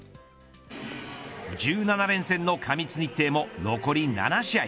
１７連戦の過密日程も残り７試合。